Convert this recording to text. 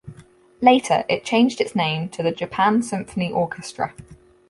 Later, it changed its name to the "Japan Symphony Orchestra".